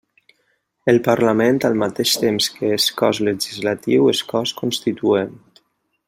El Parlament, al mateix temps que és cos legislatiu, és cos constituent.